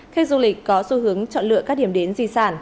khách du lịch có xu hướng chọn lựa các điểm đến di sản